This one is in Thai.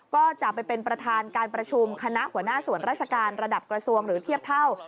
ก็จะไปเป็นประธานการประชุมคณะหัวหน้าส่วนราชการระดับกระทรวงหรือเทียบเท่า